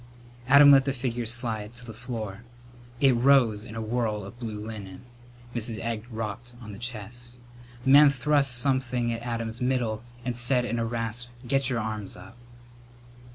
Adam let the figure slide to the floor. It rose in a whirl of blue linen. Mrs. Egg rocked on the chest. The man thrust something at Adam's middle and said in a rasp, "Get your arms up!"